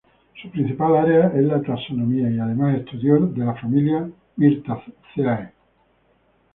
Su principal área es la taxonomía y demás estudios de la familia "Myrtaceae".